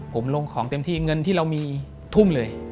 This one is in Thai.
ผมลงของเต็มที่เงินที่เรามีทุ่มเลย